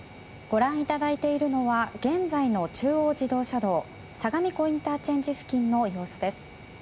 ご覧いただいているのは現在の中央自動車道相模湖ＩＣ付近の様子です。